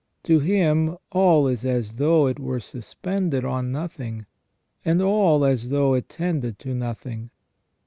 To him all is as though it were suspended on nothing, and all as though it tended to nothing.